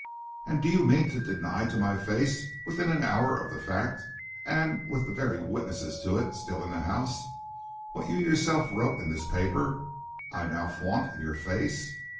"'And do you mean to deny to my face, within an hour of the fact, and with the very witnesses to it still in the house, what you yourself wrote in this paper I now flaunt in your face?